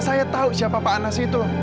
saya tahu siapa pak anas itu